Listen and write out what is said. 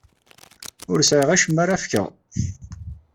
Ur sɛiɣ acemma ara ak-fkeɣ.